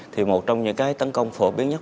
thì một trong những cái tấn công phổ biến nhất